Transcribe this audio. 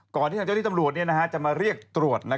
ที่ทางเจ้าที่ตำรวจจะมาเรียกตรวจ